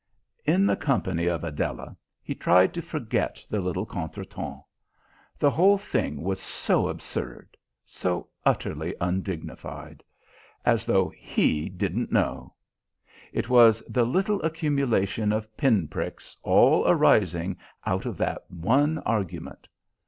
In the company of Adela he tried to forget the little contretemps. The whole thing was so absurd so utterly undignified. As though he didn't know! It was the little accumulation of pin pricks all arising out of that one argument.